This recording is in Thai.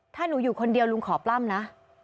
ถ้าหนูอยู่คนเดียวลุงขอปล้ำนะ